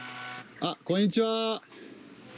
あっこんにちは。